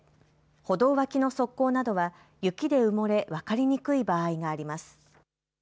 歩道脇の側溝などは雪で埋もれ分かりにくい場合があります。